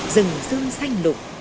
rừng dương xanh lục